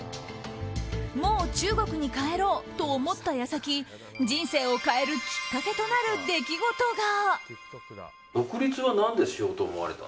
もう中国に帰ろうと思った矢先人生を変えるきっかけとなる出来事が。